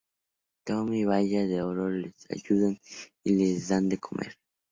Tom y Baya de Oro les ayudan y les dan de comer.